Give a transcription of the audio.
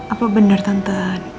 apa benar tante